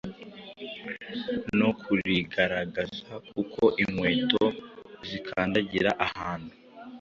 no kurigaragaza kuko inkweto zikandagira ahantu